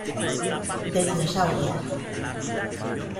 The Dinosauria.